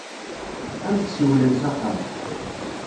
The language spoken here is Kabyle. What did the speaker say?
Ad am-d-siwlen s axxam.